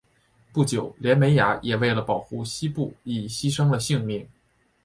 不久连美雅也为了保护希布亦牺牲了性命。